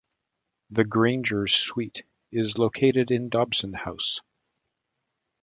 The Grainger Suite is located in Dobson House.